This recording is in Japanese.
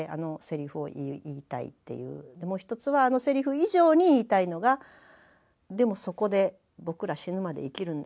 もう一つはあのセリフ以上に言いたいのがでもそこで僕ら死ぬまで生きるんだよ